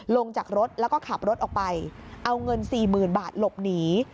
ลงจากรถแล้วก็ขับรถออกไปเอาเงินสี่หมื่นบาทหลบหนี